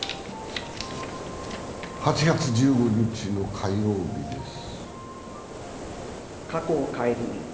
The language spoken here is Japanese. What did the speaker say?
８月１５日の火曜日です。